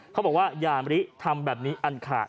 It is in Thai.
เขาบอกว่ายามฤทธิ์ทำแบบนี้เป็นอันขาด